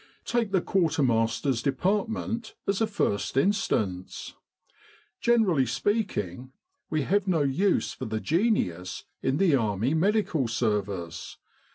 Take the quartermaster's de partment, as a first instance. Generally speaking, we have no use for the genius in the Army Medical Service.